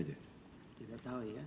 tidak tahu ya